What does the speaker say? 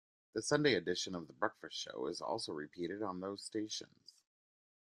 The Sunday edition of "The Breakfast Show" is also repeated on those stations.